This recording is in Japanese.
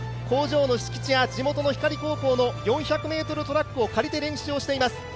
工場の敷地や地元の高校の４００ｍトラックを借りて練習をしています。